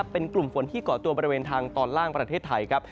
เป็นกลุ่มฝนที่เกาะตัวบริเวณทางตอนล่างประเทศไทยครับ